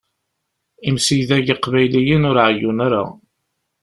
Imsidag iqbayliyen ur ɛeggun ara.